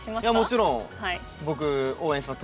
もちろん僕応援してます